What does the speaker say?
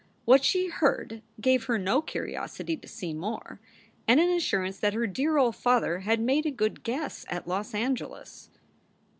What she heard gave her no curiosity to see more, and an assurance that her dear old father had made a good guess at Los Angeles.